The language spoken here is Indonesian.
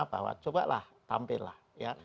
bahwa cobalah tampil lah ya